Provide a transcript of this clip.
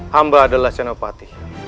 samba adalah senopati